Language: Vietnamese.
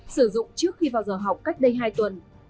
sử dụng trước khi vào giờ học cách đây hai tuần